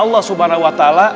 dan mengapa allah